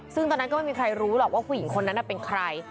ซึ่งตอนนั้นก็ไม่มีใครรู้หรอกว่าผู้หญิงคนนั้นเป็นใคร